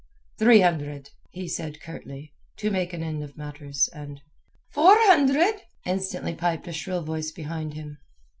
"Three hundred," he said curtly, to make an end of matters, and— "Four hundred," instantly piped a shrill voice behind him.